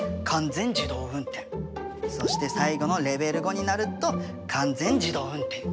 そして最後のレベル５になると完全自動運転。